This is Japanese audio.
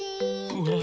うわ。